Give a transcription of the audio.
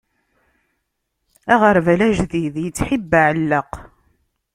Aɣerbal ajdid, yettḥibbi aɛellaq.